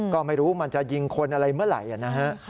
ก็ไม่รู้มันจะยิงคนอะไรเมื่อไหร่นะฮะ